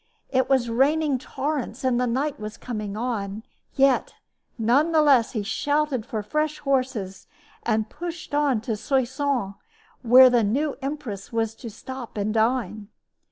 It was raining torrents and night was coming on, yet, none the less, he shouted for fresh horses and pushed on to Soissons, where the new empress was to stop and dine.